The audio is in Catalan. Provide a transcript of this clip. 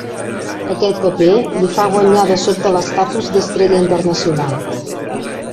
Aquest paper li fa guanyar de sobte l'estatus d'estrella internacional.